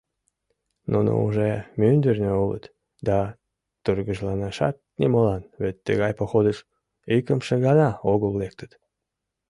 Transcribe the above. — Нуно уже мӱндырнӧ улыт, да тургыжланашат нимолан, вет тыгай походыш икымше гана огыл лектыт.